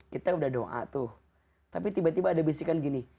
kita sudah doa tapi tiba tiba ada bisikan begini